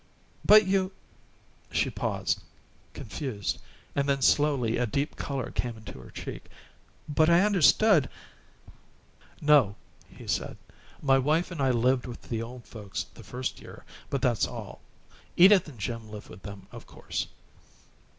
"But you " she paused, confused, and then slowly a deep color came into her cheek. "But I understood " "No," he said; "my wife and I lived with the old folks the first year, but that's all. Edith and Jim live with them, of course."